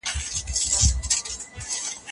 نو دا ماڼۍ به هېڅکله ونه نړیږي.